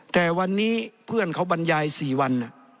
แต่วันนี้เพื่อนเขาบรรยาย๔วัน